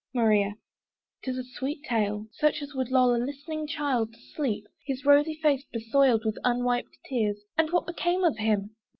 MARIA. 'Tis a sweet tale: Such as would lull a listening child to sleep, His rosy face besoiled with unwiped tears. And what became of him?